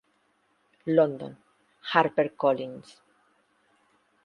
London: Harper Collins.